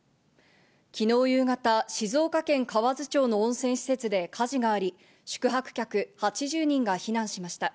昨日夕方、静岡県河津町の温泉施設で火事があり、宿泊客８０人が避難しました。